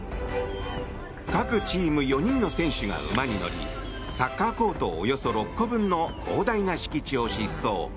各チーム４人の選手が馬に乗りサッカーコートおよそ６個分の広大な敷地を疾走。